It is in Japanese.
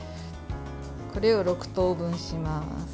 これを６等分します。